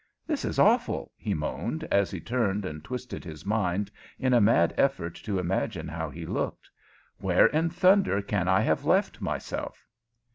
"This is awful!" he moaned, as he turned and twisted his mind in a mad effort to imagine how he looked. "Where in thunder can I have left myself?"